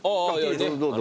・どうぞどうぞ。